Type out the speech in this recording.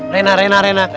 renak renak renak